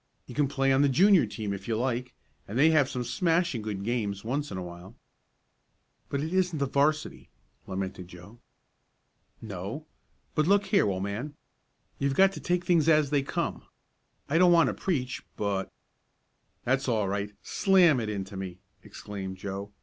You can play on the Junior team, if you like, and they have some smashing good games once in a while." "But it isn't the 'varsity," lamented Joe. "No. But look here, old man; you've got to take things as they come. I don't want to preach, but " "That's all right slam it into me!" exclaimed Joe.